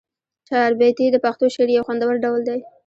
چهاربیتې د پښتو شعر یو خوندور ډول دی.